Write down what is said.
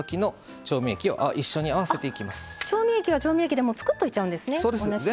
調味液は調味液でもう作っておくんですね。